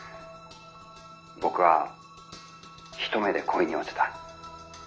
僕は一目で恋に落ちた。